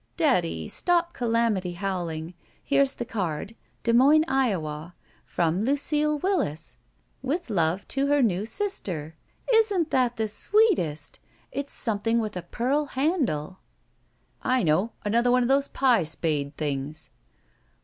"Daddy, stop calamity howling. Here's the card. Des Moines, Iowa. 'From Lucile Willis, with love to her new sister.' Isn't that the sweetest! It's something with a pearl handle." '* I know. Another one of those pie spade things.